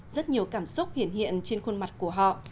rất nhiều cảm xúc hiển hiện hiện trên khuôn mặt của họ